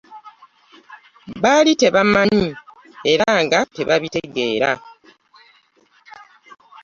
Baali tebabimanyi era nga tebabitegeera.